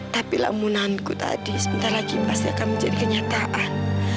tapi lamunanku tadi sebentar lagi pasti akan menjadi kenyataan